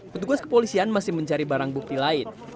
petugas kepolisian masih mencari barang bukti lain